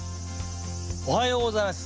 おはようございます。